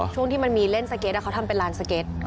ที่มันมีเล่นสเก็ตเขาทำเป็นลานสเก็ต